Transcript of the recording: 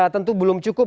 tentu belum cukup